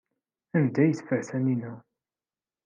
Anda ay t-teffer Taninna?